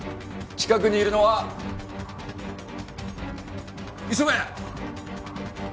近くにいるのは磯ヶ谷！